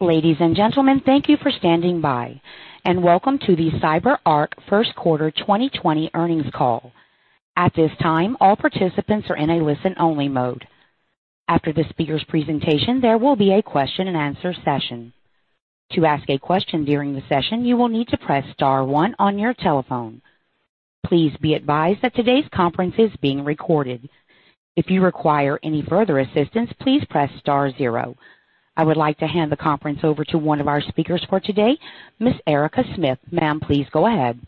Ladies and gentlemen, thank you for standing by and welcome to the CyberArk First Quarter 2020 Earnings Call. At this time, all participants are in a listen-only mode. After the speaker's presentation, there will be a question and answer session. To ask a question during the session, you will need to press star one on your telephone. Please be advised that today's conference is being recorded. If you require any further assistance, please press star zero. I would like to hand the conference over to one of our speakers for today, Ms. Erica Smith. Ma'am, please go ahead.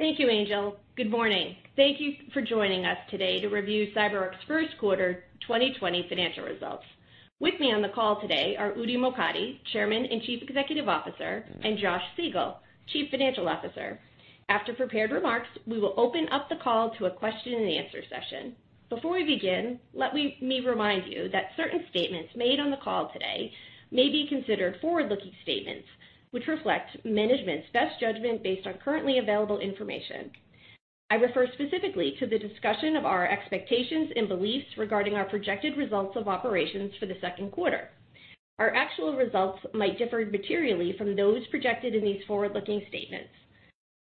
Thank you, Angel. Good morning. Thank you for joining us today to review CyberArk's First Quarter 2020 Financial Results. With me on the call today are Udi Mokady, Chairman and Chief Executive Officer, and Josh Siegel, Chief Financial Officer. After prepared remarks, we will open up the call to a question and answer session. Before we begin, let me remind you that certain statements made on the call today may be considered forward-looking statements, which reflect management's best judgment based on currently available information. I refer specifically to the discussion of our expectations and beliefs regarding our projected results of operations for the second quarter. Our actual results might differ materially from those projected in these forward-looking statements.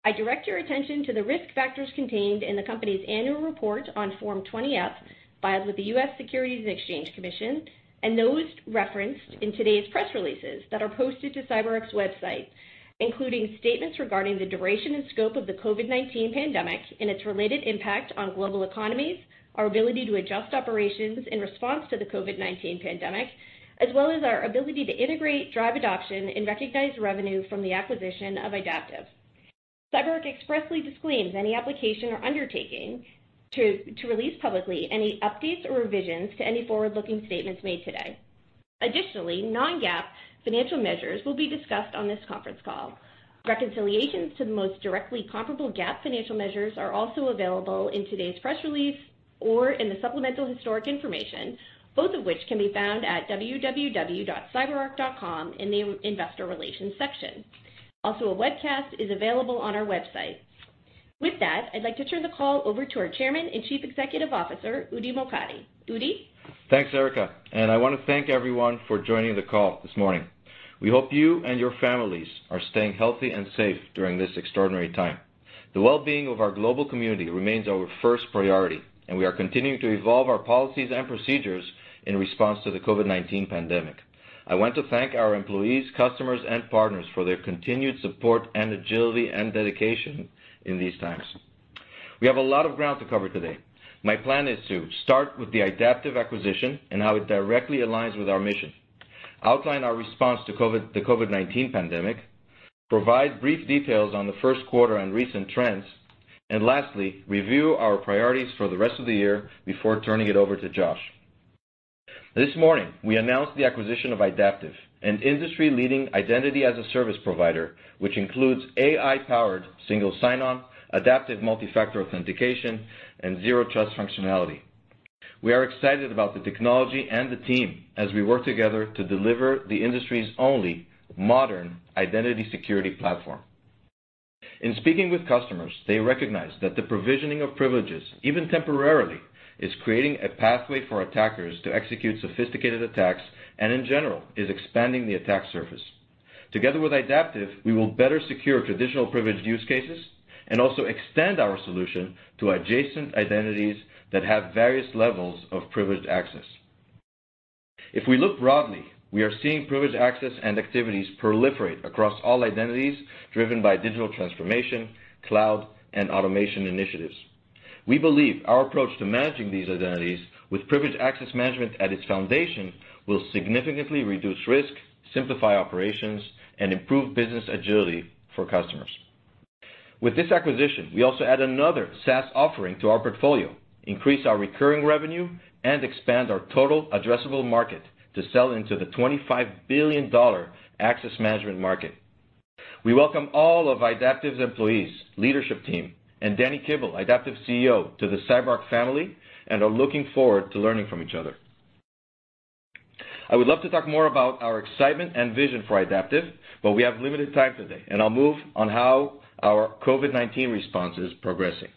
I direct your attention to the risk factors contained in the company's annual report on Form 20-F, filed with the U.S. Securities and Exchange Commission, and those referenced in today's press releases that are posted to CyberArk's website, including statements regarding the duration and scope of the COVID-19 pandemic and its related impact on global economies, our ability to adjust operations in response to the COVID-19 pandemic, as well as our ability to integrate, drive adoption, and recognize revenue from the acquisition of Idaptive. CyberArk expressly disclaims any application or undertaking to release publicly any updates or revisions to any forward-looking statements made today. Additionally, non-GAAP financial measures will be discussed on this conference call. Reconciliations to the most directly comparable GAAP financial measures are also available in today's press release or in the supplemental historic information, both of which can be found at www.cyberark.com in the investor relations section. A webcast is available on our website. With that, I'd like to turn the call over to our Chairman and Chief Executive Officer, Udi Mokady. Udi? Thanks, Erica. I want to thank everyone for joining the call this morning. We hope you and your families are staying healthy and safe during this extraordinary time. The wellbeing of our global community remains our first priority. We are continuing to evolve our policies and procedures in response to the COVID-19 pandemic. I want to thank our employees, customers, and partners for their continued support and agility and dedication in these times. We have a lot of ground to cover today. My plan is to start with the Idaptive acquisition and how it directly aligns with our mission, outline our response to the COVID-19 pandemic, provide brief details on the first quarter and recent trends, and lastly, review our priorities for the rest of the year before turning it over to Josh. This morning, we announced the acquisition of Idaptive, an industry-leading Identity as a Service provider, which includes AI-powered single sign-on, adaptive multi-factor authentication, and zero trust functionality. We are excited about the technology and the team as we work together to deliver the industry's only modern identity security platform. In speaking with customers, they recognize that the provisioning of privileges, even temporarily, is creating a pathway for attackers to execute sophisticated attacks, and in general, is expanding the attack surface. Together with Idaptive, we will better secure traditional privileged use cases and also extend our solution to adjacent identities that have various levels of privileged access. If we look broadly, we are seeing privileged access and activities proliferate across all identities driven by digital transformation, cloud, and automation initiatives. We believe our approach to managing these identities with privileged access management at its foundation will significantly reduce risk, simplify operations, and improve business agility for customers. With this acquisition, we also add another SaaS offering to our portfolio, increase our recurring revenue, and expand our total addressable market to sell into the $25 billion access management market. We welcome all of Idaptive's employees, leadership team, and Danny Kibel, Idaptive's CEO, to the CyberArk family and are looking forward to learning from each other. I would love to talk more about our excitement and vision for Idaptive, we have limited time today, and I'll move on how our COVID-19 response is progressing.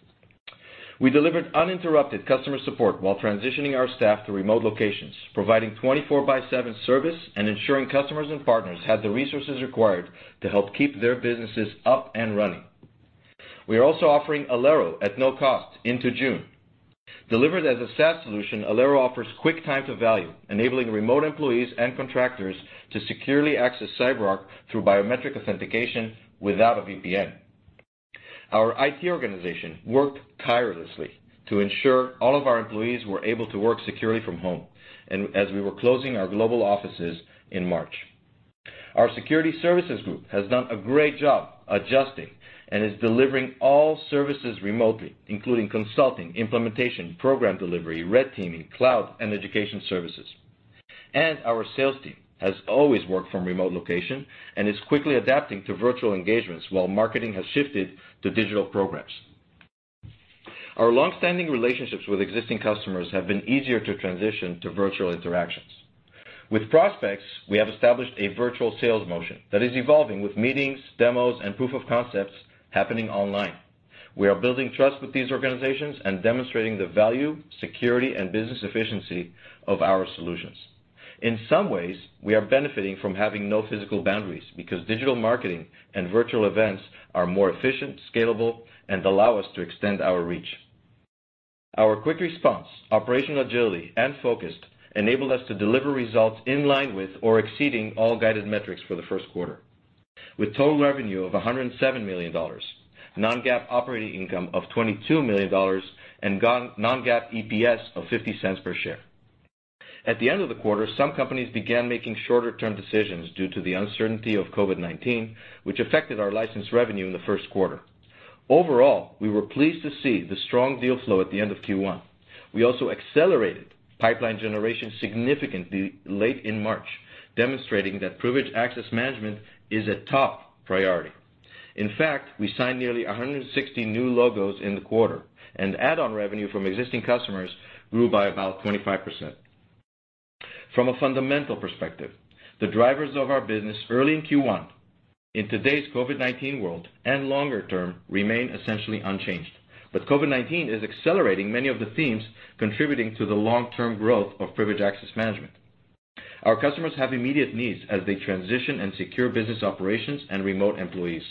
We delivered uninterrupted customer support while transitioning our staff to remote locations, providing 24 by seven service and ensuring customers and partners had the resources required to help keep their businesses up and running. We are also offering Alero at no cost into June. Delivered as a SaaS solution, Alero offers quick time to value, enabling remote employees and contractors to securely access CyberArk through biometric authentication without a VPN. Our IT organization worked tirelessly to ensure all of our employees were able to work securely from home as we were closing our global offices in March. Our security services group has done a great job adjusting and is delivering all services remotely, including consulting, implementation, program delivery, red teaming, cloud, and education services. Our sales team has always worked from remote location and is quickly adapting to virtual engagements while marketing has shifted to digital programs. Our long-standing relationships with existing customers have been easier to transition to virtual interactions. With prospects, we have established a virtual sales motion that is evolving with meetings, demos, and proof of concepts happening online. We are building trust with these organizations and demonstrating the value, security, and business efficiency of our solutions. In some ways, we are benefiting from having no physical boundaries because digital marketing and virtual events are more efficient, scalable, and allow us to extend our reach. Our quick response, operational agility, and focus enabled us to deliver results in line with or exceeding all guided metrics for the first quarter. With total revenue of $107 million, non-GAAP operating income of $22 million, and non-GAAP EPS of $0.50 per share. At the end of the quarter, some companies began making shorter-term decisions due to the uncertainty of COVID-19, which affected our licensed revenue in the first quarter. Overall, we were pleased to see the strong deal flow at the end of Q1. We also accelerated pipeline generation significantly late in March, demonstrating that privileged access management is a top priority. In fact, we signed nearly 160 new logos in the quarter, and add-on revenue from existing customers grew by about 25%. From a fundamental perspective, the drivers of our business early in Q1, in today's COVID-19 world, and longer term, remain essentially unchanged. COVID-19 is accelerating many of the themes contributing to the long-term growth of privileged access management. Our customers have immediate needs as they transition and secure business operations and remote employees.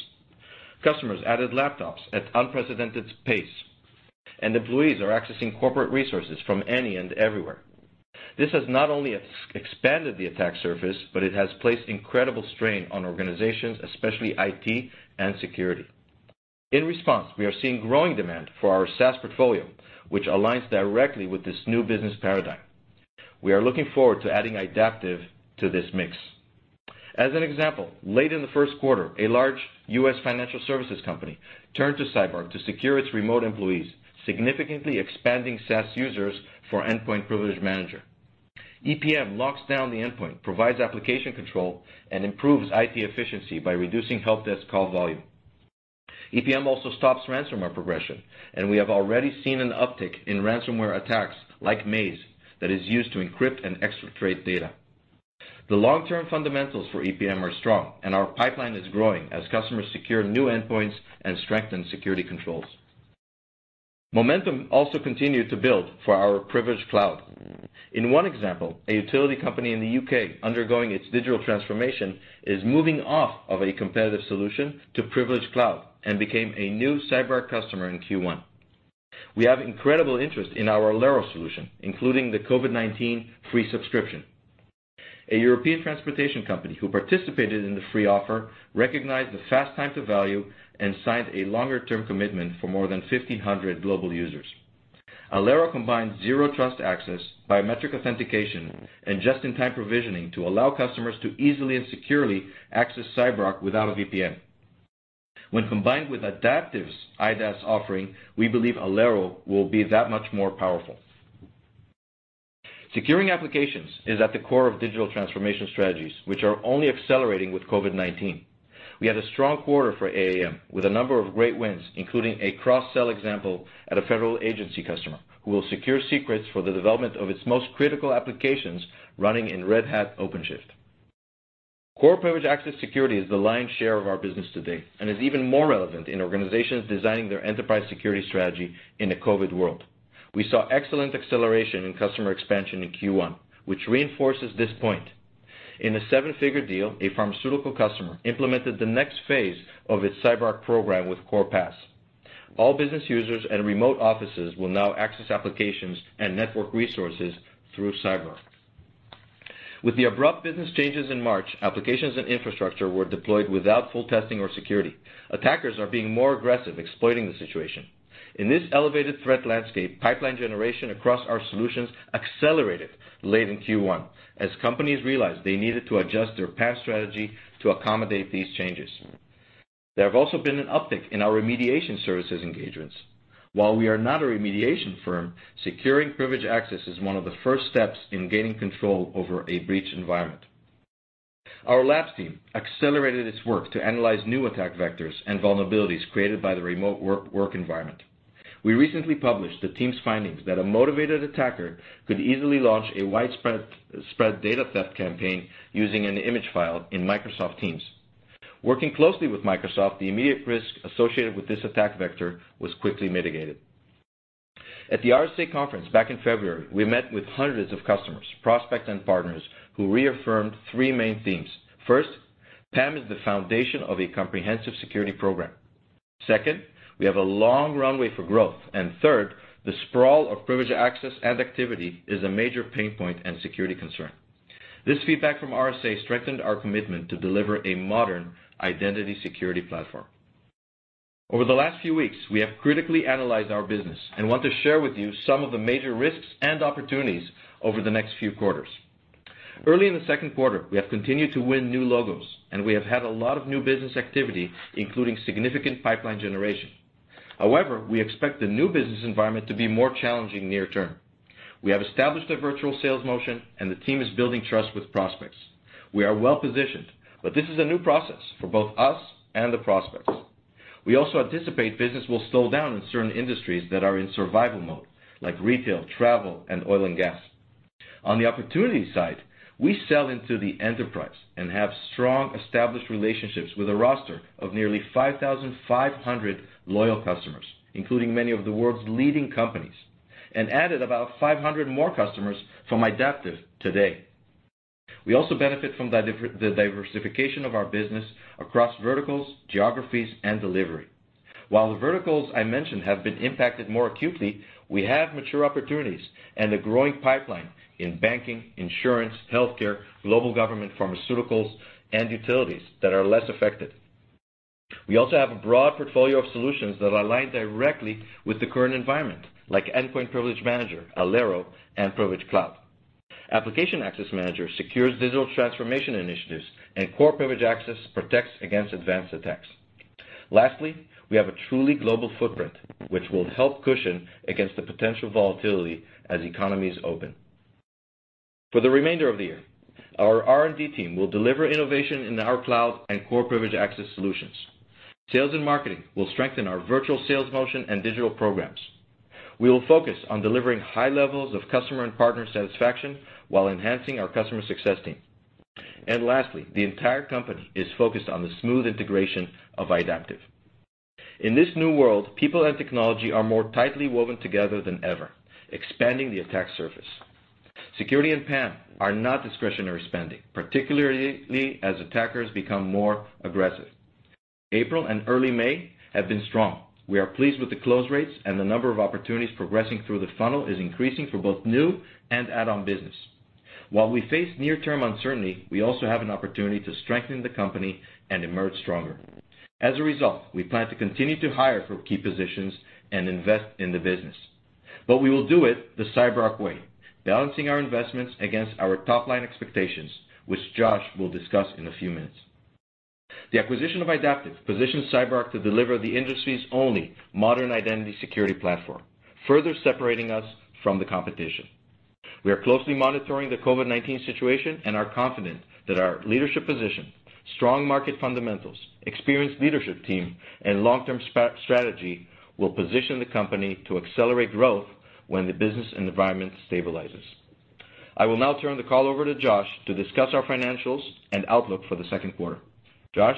Customers added laptops at unprecedented pace, and employees are accessing corporate resources from any and everywhere. This has not only expanded the attack surface, but it has placed incredible strain on organizations, especially IT and security. In response, we are seeing growing demand for our SaaS portfolio, which aligns directly with this new business paradigm. We are looking forward to adding Idaptive to this mix. As an example, late in the first quarter, a large U.S. financial services company turned to CyberArk to secure its remote employees, significantly expanding SaaS users for Endpoint Privilege Manager. EPM locks down the endpoint, provides application control, and improves IT efficiency by reducing help desk call volume. EPM also stops ransomware progression, and we have already seen an uptick in ransomware attacks, like Maze, that is used to encrypt and exfiltrate data. The long-term fundamentals for EPM are strong, and our pipeline is growing as customers secure new endpoints and strengthen security controls. Momentum also continued to build for our Privileged Cloud. In one example, a utility company in the U.K. undergoing its digital transformation is moving off of a competitive solution to Privilege Cloud and became a new CyberArk customer in Q1. We have incredible interest in our Alero solution, including the COVID-19 free subscription. A European transportation company who participated in the free offer recognized the fast time to value and signed a longer-term commitment for more than 1,500 global users. Alero combines zero-trust access, biometric authentication, and just-in-time provisioning to allow customers to easily and securely access CyberArk without a VPN. When combined with Idaptive's IDaaS offering, we believe Alero will be that much more powerful. Securing applications is at the core of digital transformation strategies, which are only accelerating with COVID-19. We had a strong quarter for AAM with a number of great wins, including a cross-sell example at a federal agency customer who will secure secrets for the development of its most critical applications running in Red Hat OpenShift. Core Privileged Access Security is the lion's share of our business to date and is even more relevant in organizations designing their enterprise security strategy in a COVID world. We saw excellent acceleration in customer expansion in Q1, which reinforces this point. In a seven-figure deal, a pharmaceutical customer implemented the next phase of its CyberArk program with Core PAS. All business users and remote offices will now access applications and network resources through CyberArk. With the abrupt business changes in March, applications and infrastructure were deployed without full testing or security. Attackers are being more aggressive, exploiting the situation. In this elevated threat landscape, pipeline generation across our solutions accelerated late in Q1 as companies realized they needed to adjust their PAS strategy to accommodate these changes. There have also been an uptick in our remediation services engagements. While we are not a remediation firm, securing privileged access is one of the first steps in gaining control over a breach environment. Our labs team accelerated its work to analyze new attack vectors and vulnerabilities created by the remote work environment. We recently published the team's findings that a motivated attacker could easily launch a widespread data theft campaign using an image file in Microsoft Teams. Working closely with Microsoft, the immediate risk associated with this attack vector was quickly mitigated. At the RSA Conference back in February, we met with hundreds of customers, prospects, and partners who reaffirmed three main themes. First, PAM is the foundation of a comprehensive security program. Second, we have a long runway for growth. Third, the sprawl of privileged access and activity is a major pain point and security concern. This feedback from RSA strengthened our commitment to deliver a modern identity security platform. Over the last few weeks, we have critically analyzed our business and want to share with you some of the major risks and opportunities over the next few quarters. Early in the second quarter, we have continued to win new logos, and we have had a lot of new business activity, including significant pipeline generation. However, we expect the new business environment to be more challenging near-term. We have established a virtual sales motion, and the team is building trust with prospects. We are well-positioned, but this is a new process for both us and the prospects. We also anticipate business will slow down in certain industries that are in survival mode, like retail, travel, and oil and gas. On the opportunity side, we sell into the enterprise and have strong established relationships with a roster of nearly 5,500 loyal customers, including many of the world's leading companies, and added about 500 more customers from Idaptive today. We also benefit from the diversification of our business across verticals, geographies, and delivery. While the verticals I mentioned have been impacted more acutely, we have mature opportunities and a growing pipeline in banking, insurance, healthcare, global government, pharmaceuticals, and utilities that are less affected. We also have a broad portfolio of solutions that align directly with the current environment, like Endpoint Privilege Manager, Alero, and Privilege Cloud. Application Access Manager secures digital transformation initiatives, and Core Privileged Access protects against advanced attacks. Lastly, we have a truly global footprint, which will help cushion against the potential volatility as economies open. For the remainder of the year, our R&D team will deliver innovation in our cloud and Core privileged access solutions. Sales and marketing will strengthen our virtual sales motion and digital programs. We will focus on delivering high levels of customer and partner satisfaction while enhancing our customer success team. Lastly, the entire company is focused on the smooth integration of Idaptive. In this new world, people and technology are more tightly woven together than ever, expanding the attack surface. Security and PAM are not discretionary spending, particularly as attackers become more aggressive. April and early May have been strong. We are pleased with the close rates, and the number of opportunities progressing through the funnel is increasing for both new and add-on business. While we face near-term uncertainty, we also have an opportunity to strengthen the company and emerge stronger. As a result, we plan to continue to hire for key positions and invest in the business. We will do it the CyberArk way, balancing our investments against our top-line expectations, which Josh will discuss in a few minutes. The acquisition of Idaptive positions CyberArk to deliver the industry's only modern identity security platform, further separating us from the competition. We are closely monitoring the COVID-19 situation and are confident that our leadership position, strong market fundamentals, experienced leadership team, and long-term strategy will position the company to accelerate growth when the business and environment stabilizes. I will now turn the call over to Josh to discuss our financials and outlook for the second quarter. Josh?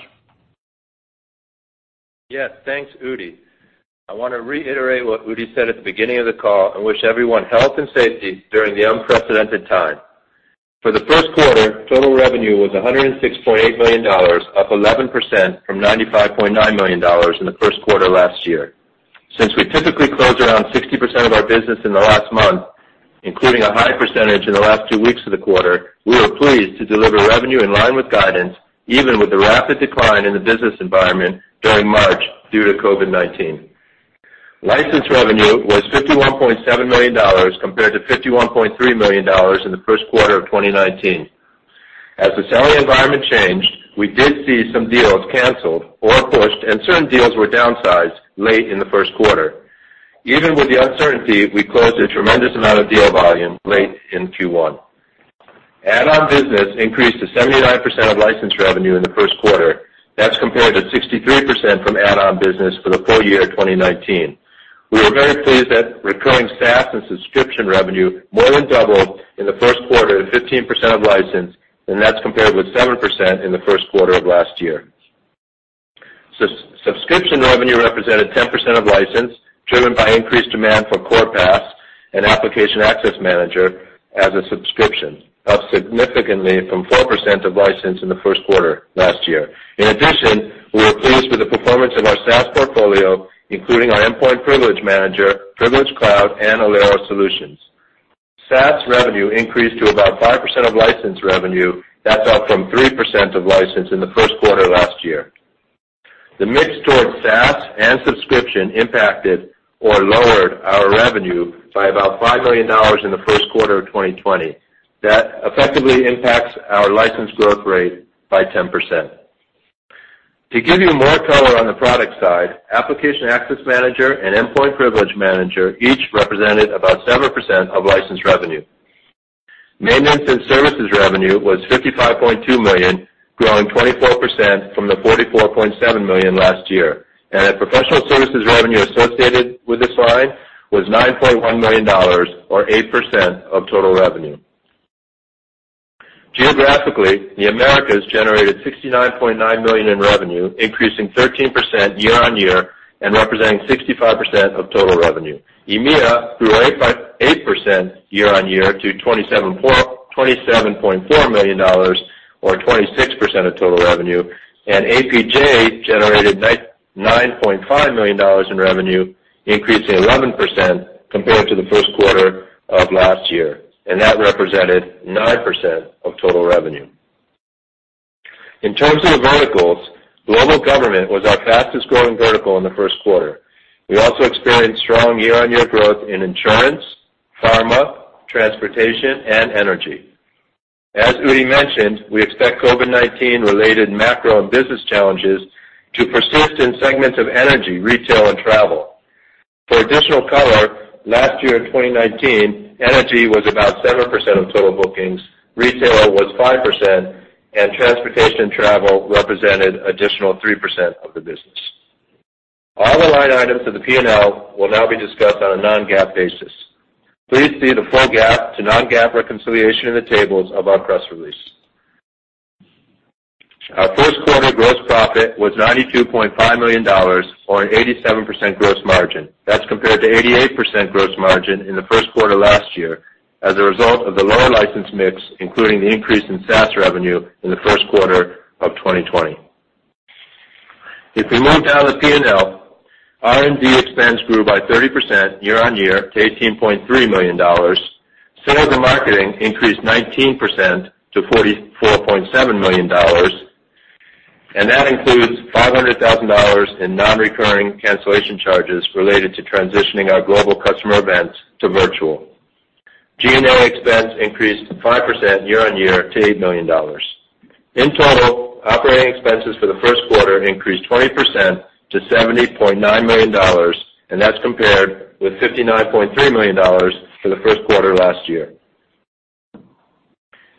Yes. Thanks, Udi. I want to reiterate what Udi said at the beginning of the call and wish everyone health and safety during the unprecedented time. For the first quarter, total revenue was $106.8 million, up 11% from $95.9 million in the first quarter last year. Since we typically close around 60% of our business in the last month, including a high percentage in the last two weeks of the quarter, we were pleased to deliver revenue in line with guidance, even with the rapid decline in the business environment during March due to COVID-19. License revenue was $51.7 million, compared to $51.3 million in the first quarter of 2019. As the selling environment changed, we did see some deals canceled or pushed, and certain deals were downsized late in the first quarter. Even with the uncertainty, we closed a tremendous amount of deal volume late in Q1. Add-on business increased to 79% of license revenue in the first quarter. That's compared to 63% from add-on business for the full year 2019. We were very pleased that recurring SaaS and subscription revenue more than doubled in the first quarter to 15% of license. That's compared with 7% in the first quarter of last year. Subscription revenue represented 10% of license, driven by increased demand for Core PAS and Application Access Manager as a subscription, up significantly from 4% of license in the first quarter last year. In addition, we were pleased with the performance of our SaaS portfolio, including our Endpoint Privilege Manager, Privilege Cloud, and Alero solutions. SaaS revenue increased to about 5% of license revenue. That's up from 3% of license in the first quarter last year. The mix towards SaaS and subscription impacted or lowered our revenue by about $5 million in the first quarter of 2020. That effectively impacts our license growth rate by 10%. To give you more color on the product side, Application Access Manager and Endpoint Privilege Manager each represented about 7% of license revenue. Maintenance and services revenue was $55.2 million, growing 24% from the $44.7 million last year. Our professional services revenue associated with this line was $9.1 million, or 8% of total revenue. Geographically, the Americas generated $69.9 million in revenue, increasing 13% year-on-year and representing 65% of total revenue. EMEA grew 8% year-on-year to $27.4 million, or 26% of total revenue. APJ generated $9.5 million in revenue, increasing 11% compared to the first quarter of last year, and that represented 9% of total revenue. In terms of the verticals, global government was our fastest-growing vertical in the first quarter. We also experienced strong year-on-year growth in insurance, pharma, transportation, and energy. As Udi mentioned, we expect COVID-19 related macro and business challenges to persist in segments of energy, retail, and travel. For additional color, last year in 2019, energy was about 7% of total bookings, retail was 5%, and transportation and travel represented additional 3% of the business. All the line items of the P&L will now be discussed on a non-GAAP basis. Please see the full GAAP to non-GAAP reconciliation in the tables of our press release. Our first quarter gross profit was $92.5 million, or an 87% gross margin. That's compared to 88% gross margin in the first quarter last year as a result of the lower license mix, including the increase in SaaS revenue in the first quarter of 2020. If we move down the P&L, R&D expense grew by 30% year-on-year to $18.3 million. Sales and marketing increased 19% to $44.7 million, and that includes $500,000 in non-recurring cancellation charges related to transitioning our global customer events to virtual. G&A expense increased 5% year-on-year to $8 million. In total, operating expenses for the first quarter increased 20% to $70.9 million, and that's compared with $59.3 million for the first quarter last year.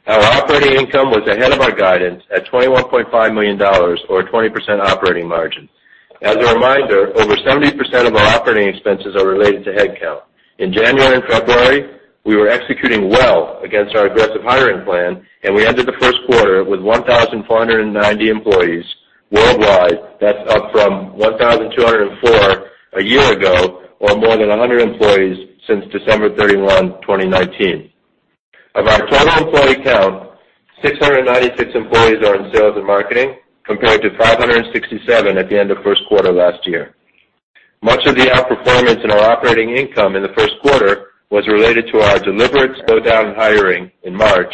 Our operating income was ahead of our guidance at $21.5 million, or a 20% operating margin. As a reminder, over 70% of our operating expenses are related to headcount. In January and February, we were executing well against our aggressive hiring plan, and we ended the first quarter with 1,490 employees worldwide. That's up from 1,204 a year ago, or more than 100 employees since December 31, 2019. Of our total employee count, 696 employees are in sales and marketing, compared to 567 at the end of first quarter last year. Much of the outperformance in our operating income in the first quarter was related to our deliberate slowdown in hiring in March,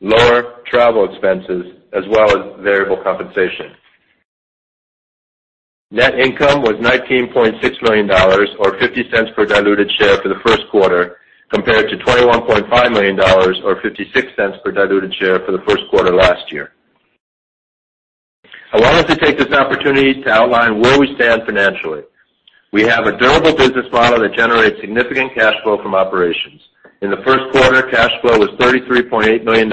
lower travel expenses, as well as variable compensation. Net income was $19.6 million or $0.50 per diluted share for the first quarter, compared to $21.5 million or $0.56 per diluted share for the first quarter last year. I wanted to take this opportunity to outline where we stand financially. We have a durable business model that generates significant cash flow from operations. In the first quarter, cash flow was $33.8 million,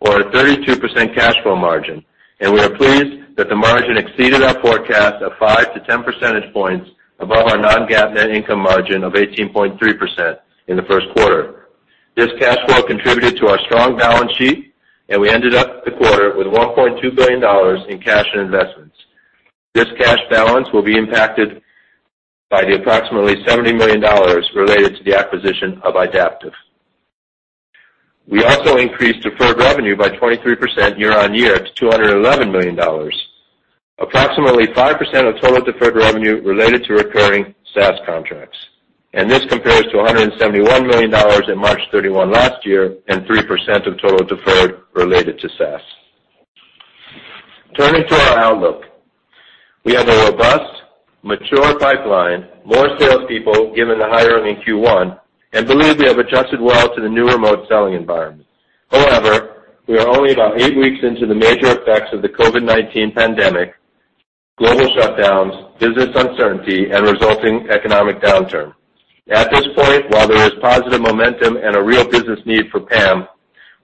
or a 32% cash flow margin. We are pleased that the margin exceeded our forecast of 5-10 percentage points above our non-GAAP net income margin of 18.3% in the first quarter. This cash flow contributed to our strong balance sheet. We ended up the quarter with $1.2 billion in cash and investments. This cash balance will be impacted by the approximately $70 million related to the acquisition of Idaptive. We also increased deferred revenue by 23% year-on-year to $211 million. Approximately 5% of total deferred revenue related to recurring SaaS contracts. This compares to $171 million in March 31 last year and 3% of total deferred related to SaaS. Turning to our outlook. We have a robust, mature pipeline, more salespeople, given the hiring in Q1, and believe we have adjusted well to the new remote selling environment. However, we are only about eight weeks into the major effects of the COVID-19 pandemic, global shutdowns, business uncertainty, and resulting economic downturn. At this point, while there is positive momentum and a real business need for PAM,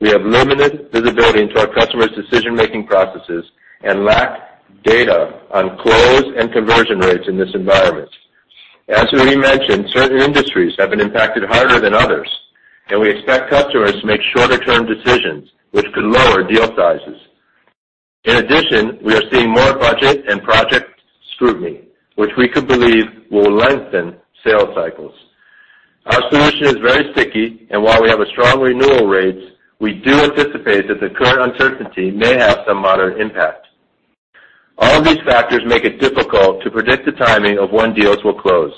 we have limited visibility into our customers' decision-making processes and lack data on close and conversion rates in this environment. As we mentioned, certain industries have been impacted harder than others, and we expect customers to make shorter-term decisions which could lower deal sizes. In addition, we are seeing more budget and project scrutiny, which we could believe will lengthen sales cycles. Our solution is very sticky, and while we have strong renewal rates, we do anticipate that the current uncertainty may have some moderate impact. All of these factors make it difficult to predict the timing of when deals will close.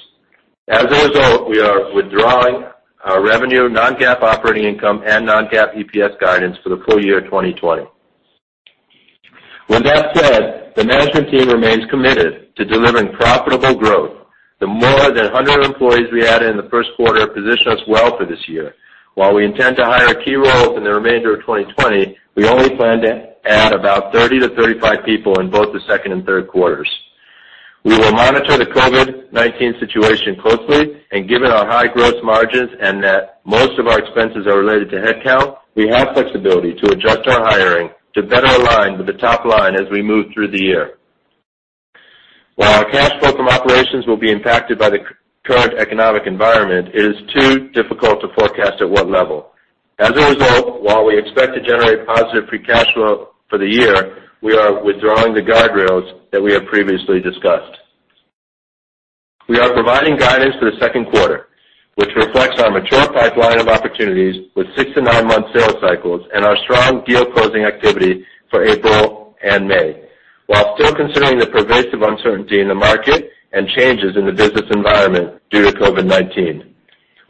As a result, we are withdrawing our revenue, non-GAAP operating income, and non-GAAP EPS guidance for the full year 2020. With that said, the management team remains committed to delivering profitable growth. The more than 100 employees we added in the first quarter position us well for this year. While we intend to hire key roles in the remainder of 2020, we only plan to add about 30-35 people in both the second and third quarters. We will monitor the COVID-19 situation closely, and given our high gross margins and that most of our expenses are related to headcount, we have flexibility to adjust our hiring to better align with the top line as we move through the year. While our cash flow from operations will be impacted by the current economic environment, it is too difficult to forecast at what level. As a result, while we expect to generate positive free cash flow for the year, we are withdrawing the guardrails that we have previously discussed. We are providing guidance for the second quarter, which reflects our mature pipeline of opportunities with six to nine-month sales cycles and our strong deal closing activity for April and May. While still considering the pervasive uncertainty in the market and changes in the business environment due to COVID-19,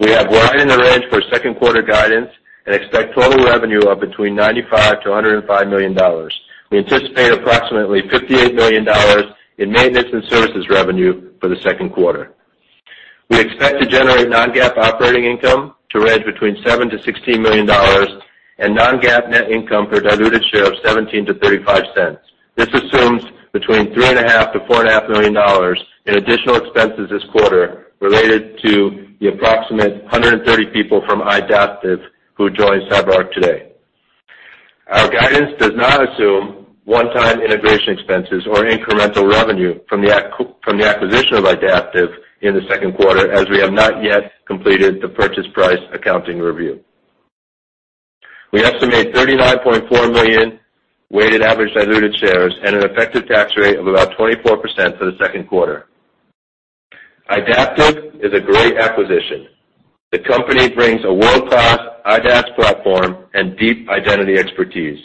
we have widened the range for second quarter guidance and expect total revenue of between $95 million-$105 million. We anticipate approximately $58 million in maintenance and services revenue for the second quarter. We expect to generate non-GAAP operating income to range between $7 million-$16 million and non-GAAP net income per diluted share of $0.17-$0.35. This assumes between $3.5 million-$4.5 million in additional expenses this quarter related to the approximate 130 people from Idaptive who joined CyberArk today. Our guidance does not assume one-time integration expenses or incremental revenue from the acquisition of Idaptive in the second quarter, as we have not yet completed the purchase price accounting review. We estimate 39.4 million weighted average diluted shares and an effective tax rate of about 24% for the second quarter. Idaptive is a great acquisition. The company brings a world-class IDaaS platform and deep identity expertise.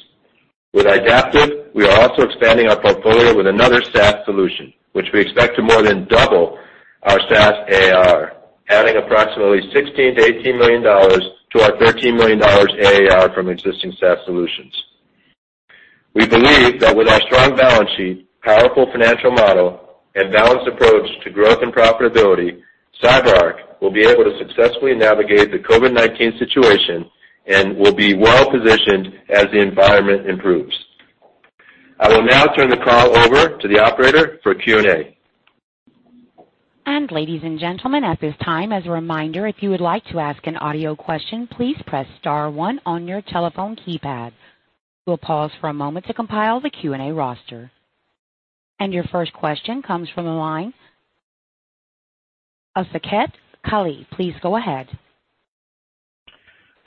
With Idaptive, we are also expanding our portfolio with another SaaS solution, which we expect to more than double our SaaS ARR, adding approximately $16 million-$18 million to our $13 million ARR from existing SaaS solutions. We believe that with our strong balance sheet, powerful financial model, and balanced approach to growth and profitability, CyberArk will be able to successfully navigate the COVID-19 situation and will be well-positioned as the environment improves. I will now turn the call over to the operator for Q&A. Ladies and gentlemen, at this time, as a reminder, if you would like to ask an audio question, please press star one on your telephone keypad. We'll pause for a moment to compile the Q&A roster. Your first question comes from the line of Saket Kalia. Please go ahead.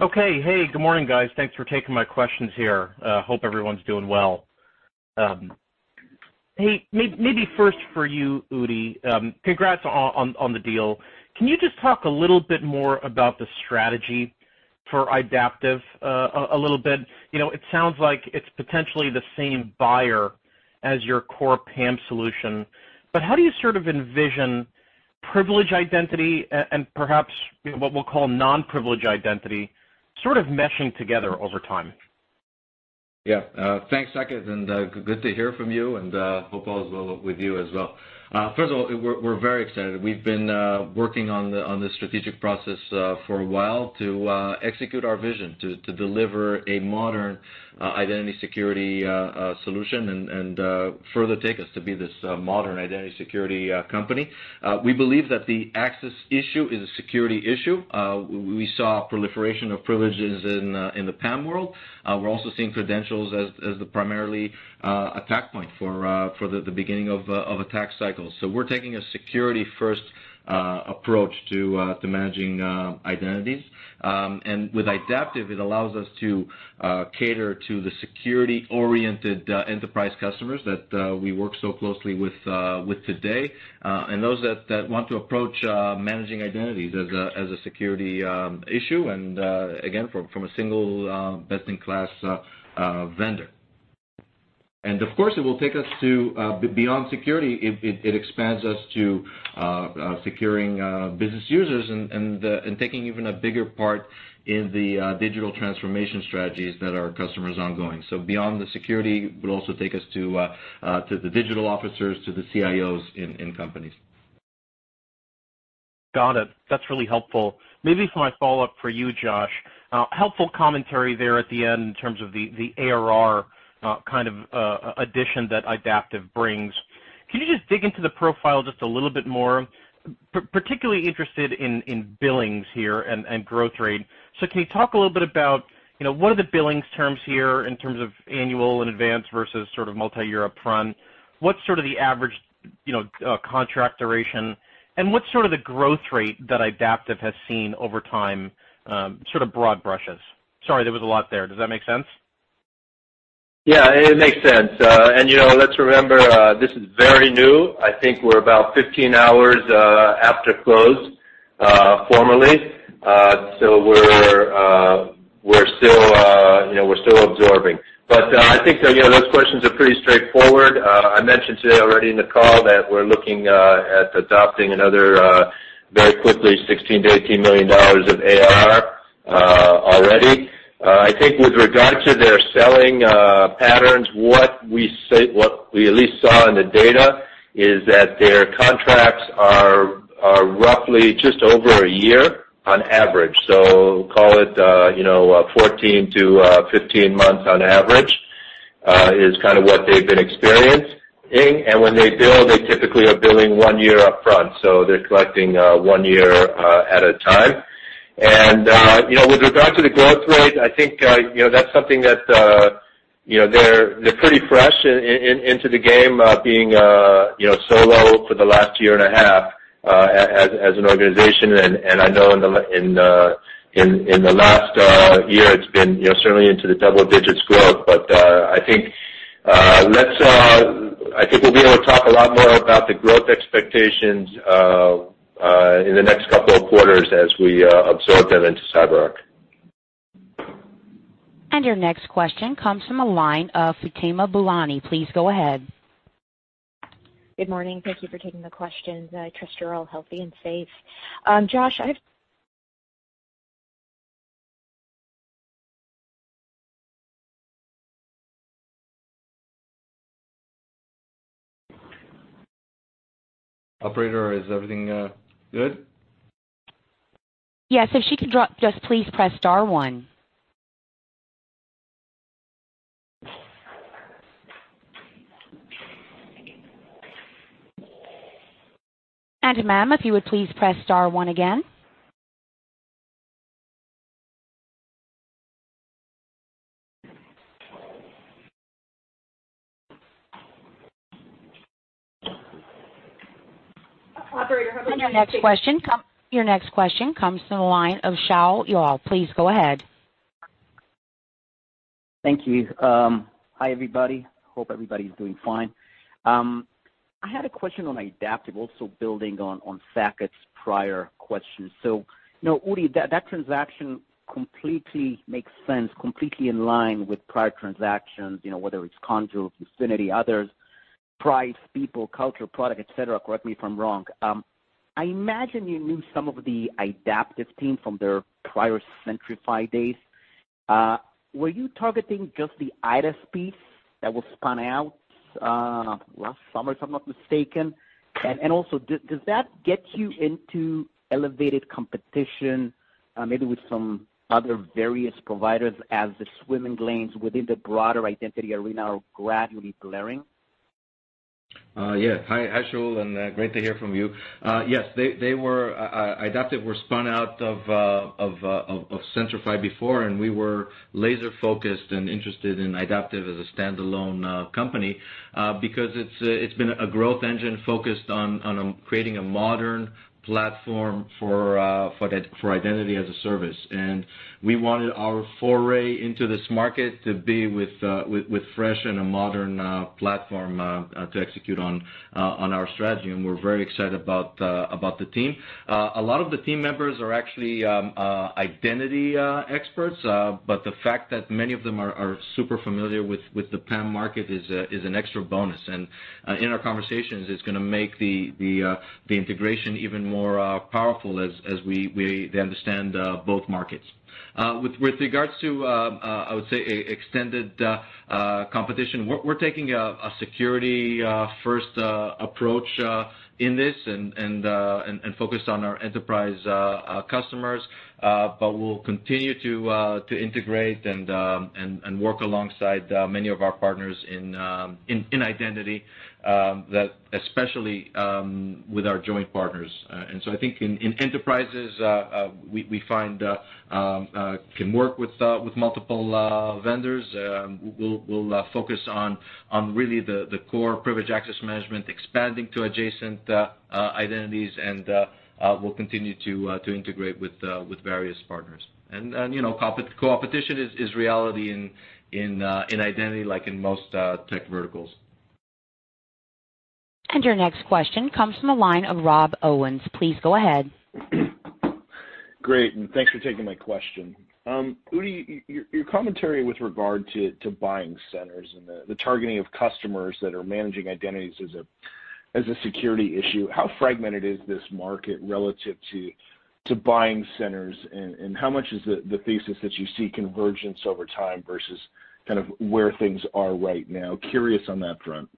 Okay. Hey, good morning, guys. Thanks for taking my questions here. Hope everyone's doing well. Hey, maybe first for you, Udi, congrats on the deal. Can you just talk a little bit more about the strategy for Idaptive a little bit? It sounds like it's potentially the same buyer as your Core PAM solution, but how do you sort of envision privileged identity and perhaps what we'll call non-privileged identity sort of meshing together over time? Yeah. Thanks, Saket, and good to hear from you, and hope all is well with you as well. First of all, we're very excited. We've been working on this strategic process for a while to execute our vision to deliver a modern identity security solution and further take us to be this modern identity security company. We believe that the access issue is a security issue. We saw proliferation of privileges in the PAM world. We're also seeing credentials as the primary attack point for the beginning of attack cycles. We're taking a security-first approach to managing identities. With Idaptive, it allows us to cater to the security-oriented enterprise customers that we work so closely with today, and those that want to approach managing identities as a security issue, and again, from a single best-in-class vendor. Of course, it will take us to beyond security. It expands us to securing business users and taking even a bigger part in the digital transformation strategies that our customers ongoing. Beyond the security, it will also take us to the digital officers, to the CIOs in companies. Got it. That's really helpful. Maybe for my follow-up for you, Josh, helpful commentary there at the end in terms of the ARR kind of addition that Idaptive brings. Can you just dig into the profile just a little bit more? Particularly interested in billings here and growth rate. Can you talk a little bit about what are the billings terms here in terms of annual in advance versus sort of multi-year upfront? What's sort of the average contract duration, and what's sort of the growth rate that Idaptive has seen over time, sort of broad brushes? Sorry, there was a lot there. Does that make sense? Yeah, it makes sense. Let's remember, this is very new. I think we're about 15 hours after close formally. We're still absorbing. I think those questions are pretty straightforward. I mentioned today already in the call that we're looking at adopting another very quickly $16 million-$18 million of ARR already. I think with regard to their selling patterns, what we at least saw in the data is that their contracts are roughly just over a year on average. Call it 14-15 months on average, is kind of what they've been experiencing. When they bill, they typically are billing one year upfront, they're collecting one year at a time. With regard to the growth rate, I think that's something that they're pretty fresh into the game, being solo for the last year and a half as an organization, and I know in the last year it's been certainly into the double digits growth. I think we'll be able to talk a lot more about the growth expectations in the next couple of quarters as we absorb them into CyberArk. Your next question comes from the line of Fatima Boolani. Please go ahead. Good morning. Thank you for taking the questions. I trust you're all healthy and safe. Josh. Operator, is everything good? Yeah. If she could just please press star one. Ma'am, if you would please press star one again. Operator. Your next question comes from the line of Shaul Eyal. Please go ahead. Thank you. Hi, everybody. Hope everybody's doing fine. I had a question on Idaptive, also building on Saket's prior question. Udi, that transaction completely makes sense, completely in line with prior transactions, whether it's Conjur, Viewfinity, others, price, people, culture, product, et cetera. Correct me if I'm wrong. I imagine you knew some of the Idaptive team from their prior Centrify days. Were you targeting just the Idaptive piece that was spun out last summer, if I'm not mistaken? Also, does that get you into elevated competition, maybe with some other various providers as the swimming lanes within the broader identity arena are gradually clearing? Yeah. Hi, Shaul, great to hear from you. Yes, Idaptive were spun out of Centrify before. We were laser-focused and interested in Idaptive as a standalone company because it's been a growth engine focused on creating a modern platform for Identity as a Service. We wanted our foray into this market to be with fresh and a modern platform to execute on our strategy. We're very excited about the team. A lot of the team members are actually identity experts, but the fact that many of them are super familiar with the PAM market is an extra bonus. In our conversations, it's going to make the integration even more powerful as they understand both markets. With regards to, I would say extended competition, we're taking a security-first approach in this and focused on our enterprise customers. We'll continue to integrate and work alongside many of our partners in identity, especially with our joint partners. I think in enterprises, we find can work with multiple vendors. We'll focus on really the core privileged access management, expanding to adjacent identities, and we'll continue to integrate with various partners. Co-competition is reality in identity, like in most tech verticals. Your next question comes from the line of Rob Owens. Please go ahead. Great, and thanks for taking my question. Udi, your commentary with regard to buying centers and the targeting of customers that are managing identities as a security issue, how fragmented is this market relative to buying centers, and how much is the thesis that you see convergence over time versus where things are right now? Curious on that front.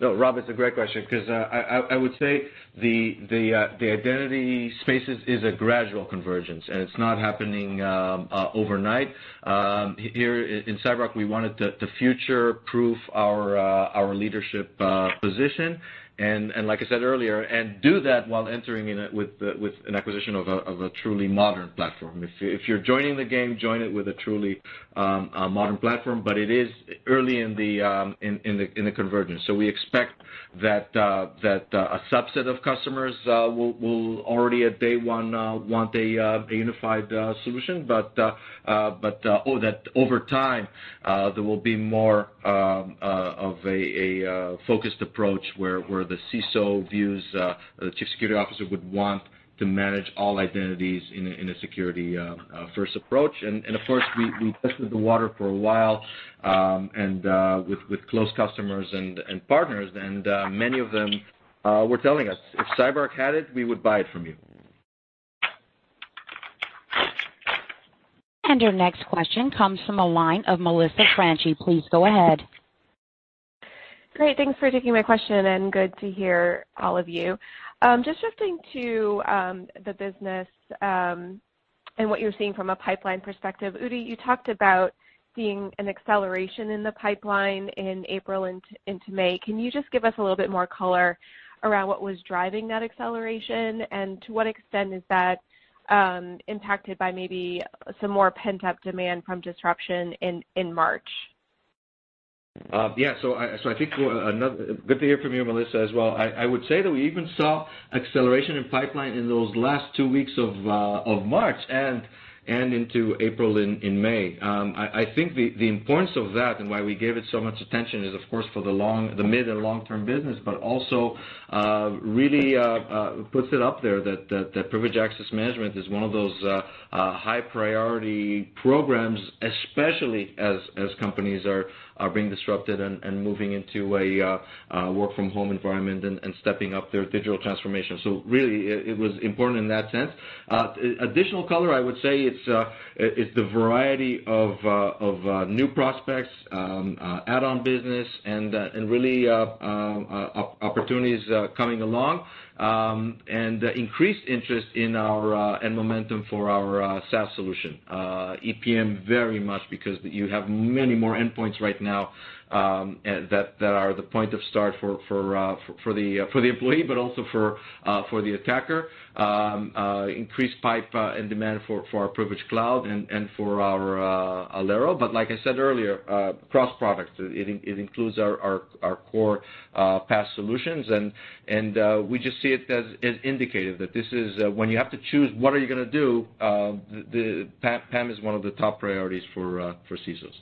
No, Rob, it's a great question because I would say the identity spaces is a gradual convergence, and it's not happening overnight. Here in CyberArk, we wanted to future-proof our leadership position, and like I said earlier, and do that while entering in it with an acquisition of a truly modern platform. If you're joining the game, join it with a truly modern platform. It is early in the convergence. We expect that a subset of customers will already at day one want a unified solution, but that over time, there will be more of a focused approach where the CSO views, the chief security officer would want to manage all identities in a security first approach. Of course, we tested the water for a while with close customers and partners, and many of them were telling us, "If CyberArk had it, we would buy it from you. Your next question comes from the line of Melissa Franchi. Please go ahead. Great. Thanks for taking my question, and good to hear all of you. Just shifting to the business and what you're seeing from a pipeline perspective. Udi, you talked about seeing an acceleration in the pipeline in April into May. Can you just give us a little bit more color around what was driving that acceleration, and to what extent is that impacted by maybe some more pent-up demand from disruption in March? Yeah. Good to hear from you, Melissa, as well. I would say that we even saw acceleration in pipeline in those last two weeks of March and into April and May. I think the importance of that and why we gave it so much attention is, of course, for the mid and long-term business, but also really puts it up there that privileged access management is one of those high-priority programs, especially as companies are being disrupted and moving into a work-from-home environment and stepping up their digital transformation. Really, it was important in that sense. Additional color, I would say it's the variety of new prospects, add-on business, and really opportunities coming along, and increased interest and momentum for our SaaS solution. EPM very much because you have many more endpoints right now that are the point of start for the employee, but also for the attacker. Increased pipe and demand for our Privilege Cloud and for our Alero. Like I said earlier, cross-product, it includes our Core PAS solutions, and we just see it as indicative that this is when you have to choose what are you going to do, PAM is one of the top priorities for CISOs.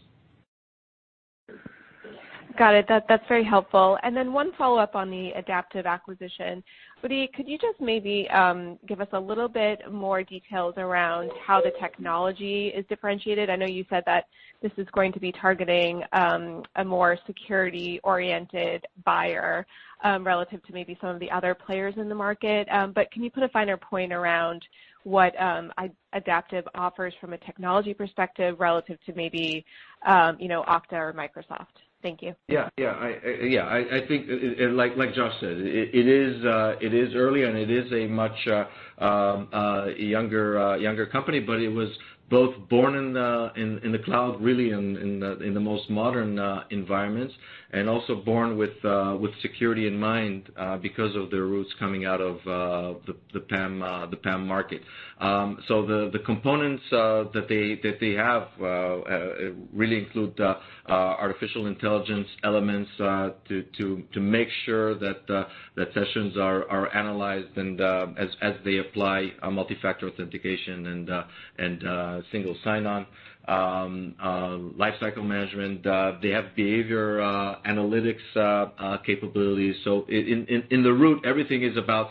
Got it. That's very helpful. One follow-up on the Idaptive acquisition. Udi, could you just maybe give us a little bit more details around how the technology is differentiated? I know you said that this is going to be targeting a more security-oriented buyer relative to maybe some of the other players in the market. Can you put a finer point around what Idaptive offers from a technology perspective relative to maybe Okta or Microsoft? Thank you. I think, like Josh said, it is early, and it is a much younger company, but it was both born in the cloud, really in the most modern environments, and also born with security in mind because of their roots coming out of the PAM market. The components that they have really include artificial intelligence elements to make sure that sessions are analyzed and as they apply multi-factor authentication and single sign-on lifecycle management. They have behavior analytics capabilities. In the root, everything is about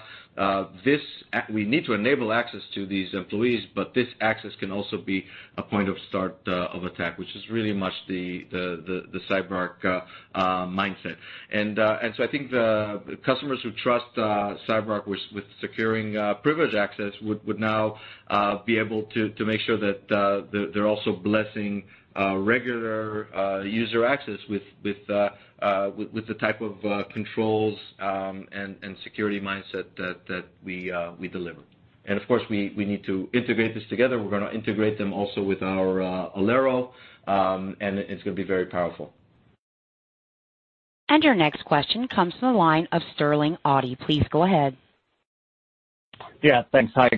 we need to enable access to these employees, but this access can also be a point of start of attack, which is really much the CyberArk mindset. I think the customers who trust CyberArk with securing privileged access would now be able to make sure that they're also blessing regular user access with the type of controls and security mindset that we deliver. Of course, we need to integrate this together. We're going to integrate them also with our Alero, and it's going to be very powerful. Your next question comes from the line of Sterling Auty. Please go ahead. Yeah, thanks. Hi,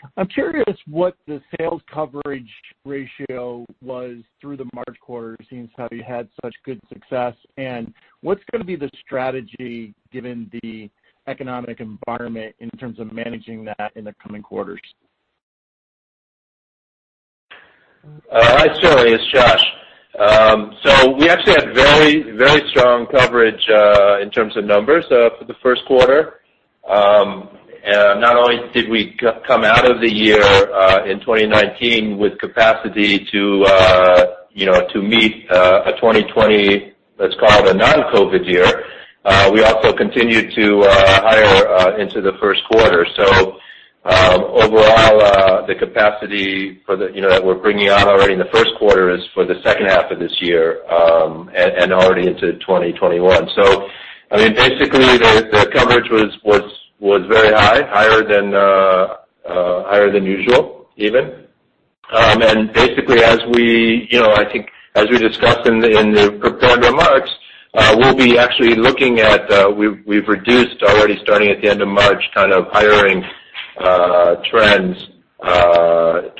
guys. I'm curious what the sales coverage ratio was through the March quarter, seeing as how you had such good success, and what's going to be the strategy given the economic environment in terms of managing that in the coming quarters? Hi, Sterling. It's Josh. We actually had very strong coverage in terms of numbers for the first quarter. Not only did we come out of the year in 2019 with capacity to meet a 2020, let's call it a non-COVID-19 year, we also continued to hire into the first quarter. Overall, the capacity that we're bringing on already in the first quarter is for the second half of this year and already into 2021. Basically, the coverage was very high, higher than usual even. Basically, I think as we discussed in the prepared remarks, we'll be actually looking at, we've reduced already starting at the end of March, hiring trends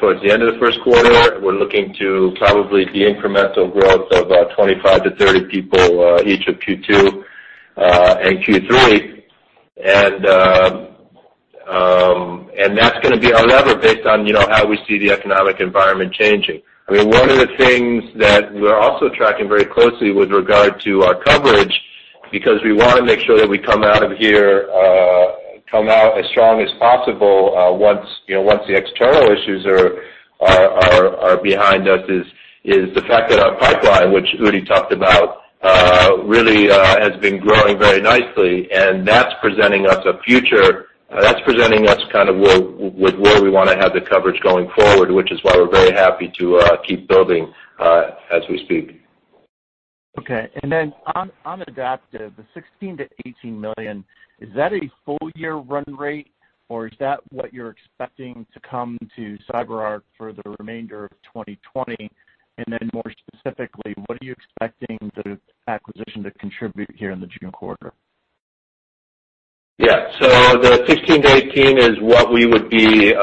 towards the end of the first quarter. We're looking to probably be incremental growth of 25-30 people each of Q2 and Q3. That's going to be our lever based on how we see the economic environment changing. One of the things that we're also tracking very closely with regard to our coverage, because we want to make sure that we come out of here, come out as strong as possible once the external issues are behind us, is the fact that our pipeline, which Udi talked about, really has been growing very nicely, and that's presenting us a future. That's presenting us with where we want to have the coverage going forward, which is why we're very happy to keep building as we speak. Okay. On Idaptive, the $16 million-$18 million, is that a full-year run rate, or is that what you're expecting to come to CyberArk for the remainder of 2020? More specifically, what are you expecting the acquisition to contribute here in the June quarter? Yeah. The $16-$18 is what we would be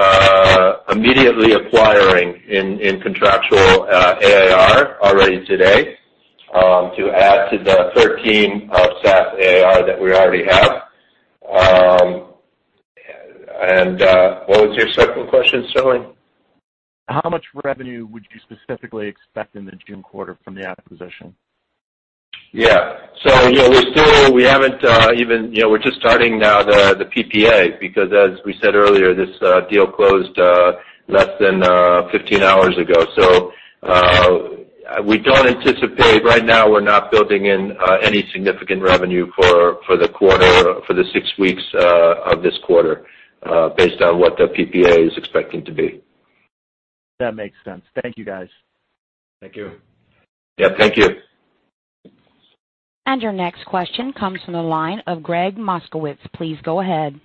immediately acquiring in contractual ARR already today to add to the $13 of SaaS ARR that we already have. What was your second question, Sterling? How much revenue would you specifically expect in the June quarter from the acquisition? We're just starting now the PPA, because as we said earlier, this deal closed less than 15 hours ago. We don't anticipate, right now we're not building in any significant revenue for the quarter, for the six weeks of this quarter based on what the PPA is expecting to be. That makes sense. Thank you, guys. Thank you. Yeah. Thank you. Your next question comes from the line of Gregg Moskowitz. Please go ahead.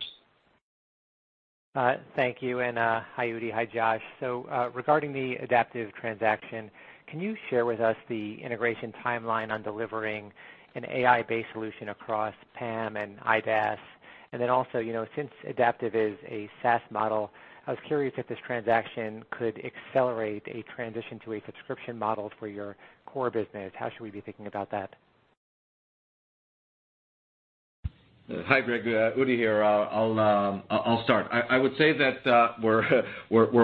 Thank you. Hi, Udi. Hi, Josh. Regarding the Idaptive transaction, can you share with us the integration timeline on delivering an AI-based solution across PAM and IDaaS? Then also, since Idaptive is a SaaS model, I was curious if this transaction could accelerate a transition to a subscription model for your core business. How should we be thinking about that? Hi, Gregg. Udi here. I'll start. I would say that we're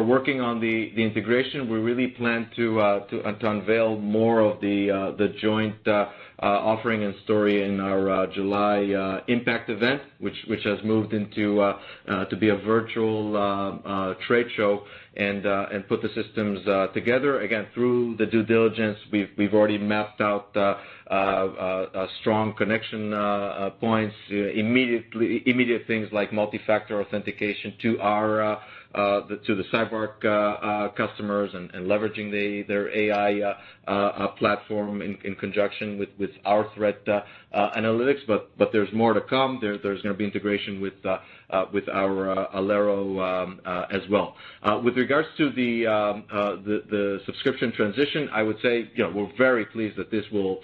working on the integration. We really plan to unveil more of the joint offering and story in our July Impact event, which has moved to be a virtual trade show, and put the systems together. Again, through the due diligence, we've already mapped out strong connection points, immediate things like multi-factor authentication to the CyberArk customers, and leveraging their AI platform in conjunction with our threat analytics. There's more to come. There's going to be integration with our Alero as well. With regards to the subscription transition, I would say, we're very pleased that this will